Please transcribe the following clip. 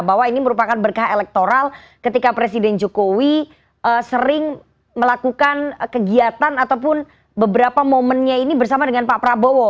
bahwa ini merupakan berkah elektoral ketika presiden jokowi sering melakukan kegiatan ataupun beberapa momennya ini bersama dengan pak prabowo